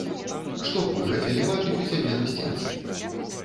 Што б вы хацелі бачыць у сябе на сценцы?